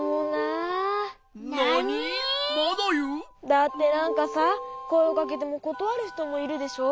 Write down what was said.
だってなんかさこえをかけてもことわるひともいるでしょ？